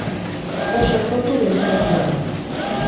Oso kontu delikatua da.